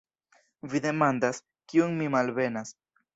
Vi demandas, kiun mi malbenas!